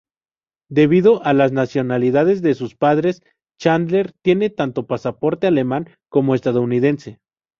Debido a las nacionalidades de sus padres, Chandler tiene tanto pasaporte alemán como estadounidense.